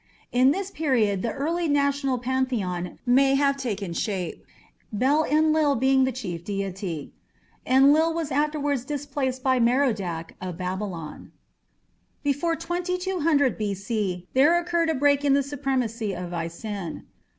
In this period the early national pantheon may have taken shape, Bel Enlil being the chief deity. Enlil was afterwards displaced by Merodach of Babylon. Before 2200 B.C. there occurred a break in the supremacy of Isin.